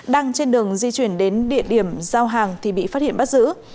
đang trên đường di chuyển đến địa điểm giao hàng thì bị phát hiện bắt giữ